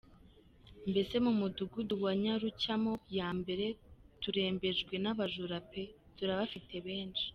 Mbese mu Mudugudu wa Nyarucyamo ya Mbere turembejwe n’abajura pe! Turabafite benshi.